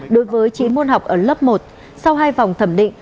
đối với chín môn học ở lớp một sau hai vòng thẩm định